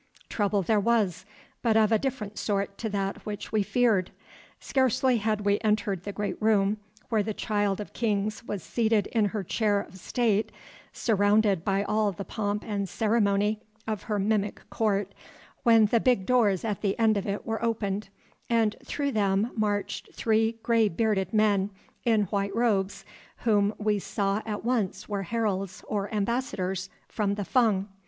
Trouble there was, but of a different sort to that which we feared. Scarcely had we entered the great room where the Child of Kings was seated in her chair of state surrounded by all the pomp and ceremony of her mimic court, when the big doors at the end of it were opened, and through them marched three gray bearded men in white robes whom we saw at once were heralds or ambassadors from the Fung.